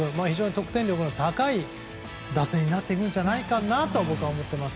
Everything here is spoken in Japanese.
得点力の高い打線になっていくんじゃないかと僕は思っています。